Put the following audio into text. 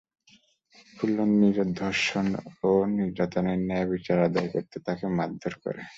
ফুলন নিজের ধর্ষণ ও নির্যাতনের ন্যায়বিচার আদায় করতে তাকে মারধর করে।